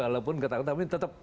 walaupun ketakutan tetap maju